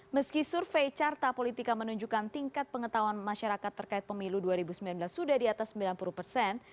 meski survei carta politika menunjukkan tingkat pengetahuan masyarakat terkait pemilu dua ribu sembilan belas sudah di atas sembilan puluh persen